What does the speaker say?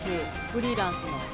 フリーランスの。